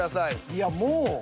いやもう。